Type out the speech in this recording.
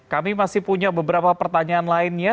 kami masih punya beberapa pertanyaan lainnya